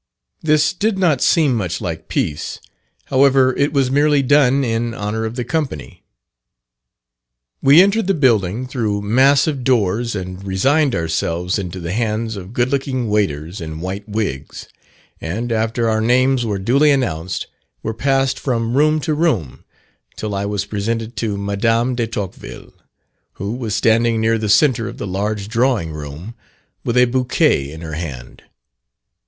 This did not seem much like peace: however, it was merely done in honour of the company. We entered the building through massive doors and resigned ourselves into the hands of good looking waiters in white wigs; and, after our names were duly announced, were passed from room to room till I was presented to Madame de Tocqueville, who was standing near the centre of the large drawing room, with a bouquet in her hand.